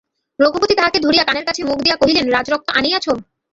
রঘুপতি তাঁহাকে ধরিয়া কানের কাছে মুখ দিয়া কহিলেন, রাজরক্ত আনিয়াছ?